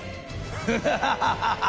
フハハハハ！